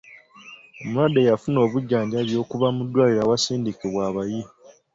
Omulwadde yafuna obujjanjabi okuva mu ddwaliro awasindikibwa abayi